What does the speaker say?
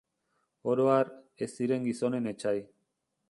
Oro har, ez ziren gizonen etsai.